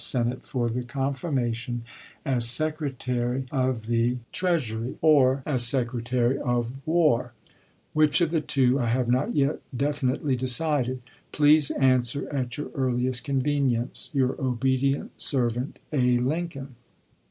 Senate for confirmation as Secretary of the 356 ABKAHAM LINCOLN ch. xxti. Treasury, or as Secretary of War — which of the two I have not yet definitely decided. Please answer at your ms. earliest convenience. Your obedient servant, A. Lincoln.